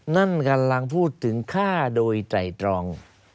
นั่นกำลังพูดถึงข้าด้วยต่ายตรอง